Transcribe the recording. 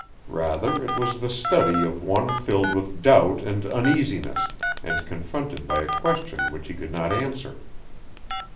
Rather it was the study of one filled with doubt and uneasiness, and confronted by a question which he could not answer.